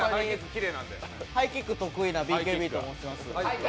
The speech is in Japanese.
ハイキック得意なＢＫＢと申します。